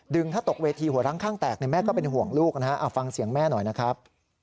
ถ้าตกเวทีหัวร้างข้างแตกแม่ก็เป็นห่วงลูกนะฮะฟังเสียงแม่หน่อยนะครับ